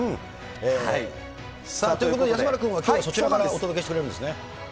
ということで、安村君はきょう、そちらからお届けしてくれるんですね。